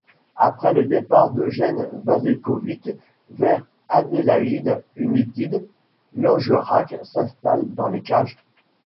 Après le départ d'Eugene Galekovic vers Adélaïde United, Langerak s'installe dans les cages.